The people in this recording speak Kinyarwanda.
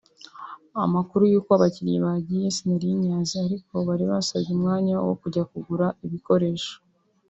amakuru y’uko abakinnyi bagiye sinari nyazi ariko bari basabye umwanya wo kujya kugura ibikoresho